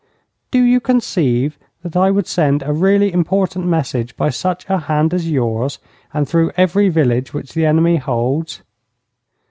Do you conceive that I would send a really important message by such a hand as yours, and through every village which the enemy holds?